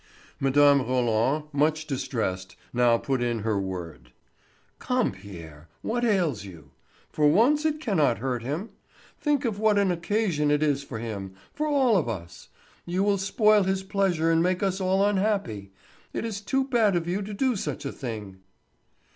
Mme. Roland, much distressed, now put in her word: "Come, Pierre, what ails you? For once it cannot hurt him. Think of what an occasion it is for him, for all of us. You will spoil his pleasure and make us all unhappy. It is too bad of you to do such a thing."